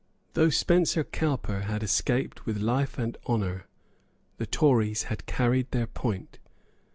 Though Spencer Cowper had escaped with life and honour, the Tories had carried their point.